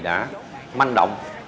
đã manh động